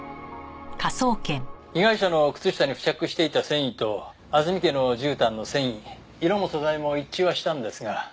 被害者の靴下に付着していた繊維と安積家の絨毯の繊維色も素材も一致はしたんですが。